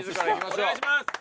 お願いします！